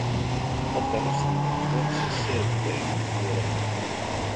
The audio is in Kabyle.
Takeṛṛust-nni ur tt-yessared Farid n At Yiraten.